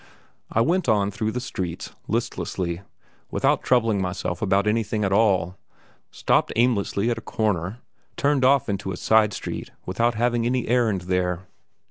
I went on through the streets, listlessly, without troubling myself about anything at all, stopped aimlessly at a corner, turned off into a side street without having any errand there.